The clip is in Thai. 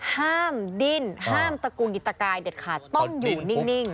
ห้ามดิ้นห้ามตะกุงยินตะกายเด็ดขาดต้องอยู่นิ่ง